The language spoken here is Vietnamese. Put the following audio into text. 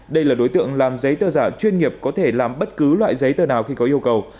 đây là đối tượng làm giấy tờ giả chuyên nghiệp có thể làm bất cứ loại giấy tờ nào khi có yêu cầu